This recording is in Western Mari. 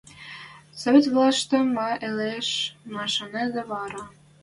Совет властьшы ма ылеш машанедӓ вара?